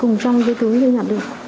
cùng trong cái túi tôi nhặt được